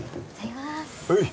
はい！